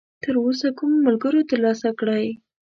تراوسه کومو ملګرو ترلاسه کړی!؟